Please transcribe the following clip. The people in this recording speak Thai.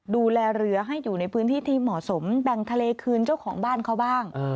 ดูแลเรือให้อยู่ในพื้นที่ที่เหมาะสมแบ่งทะเลคืนเจ้าของบ้านเขาบ้าง